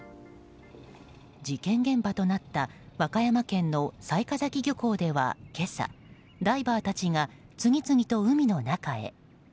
事件現場となった和歌山県の雑賀崎漁港では今朝ダイバーたちが次々と海の中へ。